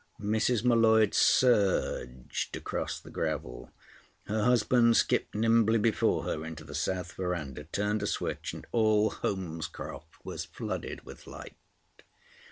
Mrs. M'Leod surged across the gravel. Her husband skipped nimbly before her into the south verandah, turned a switch, and all Holmescroft was flooded with light.